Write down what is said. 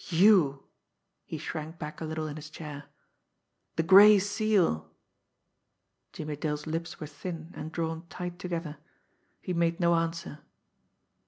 "You!" he shrank back a little in his chair. "The Gray Seal!" Jimmie Dale's lips were thin and drawn tight together. He made no answer.